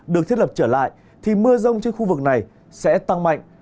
được thiết lập trở lại thì mưa rông trên khu vực này sẽ tăng mạnh